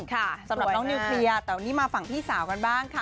สำหรับน้องนิวเคลียร์แต่วันนี้มาฝั่งพี่สาวกันบ้างค่ะ